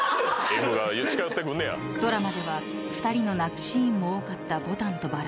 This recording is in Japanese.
［ドラマでは２人の泣くシーンも多かった『牡丹と薔薇』］